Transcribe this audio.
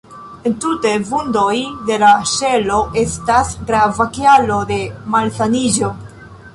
Entute, vundoj de la ŝelo estas grava kialo de malsaniĝo.